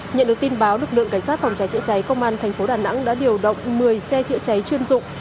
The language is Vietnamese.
nhận được tin báo lực lượng cảnh sát phòng cháy chữa cháy công an thành phố đà nẵng đã điều động một mươi xe chữa cháy chuyên dụng